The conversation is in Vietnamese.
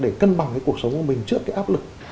để cân bằng cái cuộc sống của mình trước cái áp lực